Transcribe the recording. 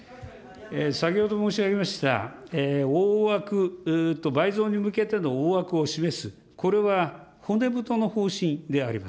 先ほど申し上げました、大枠、倍増に向けての大枠を示す、これは骨太の方針であります。